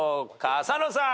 浅野さん。